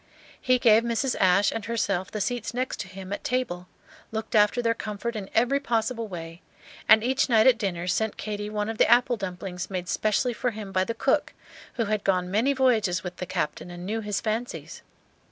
He gave Mrs. Ashe and herself the seats next to him at table, looked after their comfort in every possible way, and each night at dinner sent Katy one of the apple dumplings made specially for him by the cook, who had gone many voyages with the Captain and knew his fancies.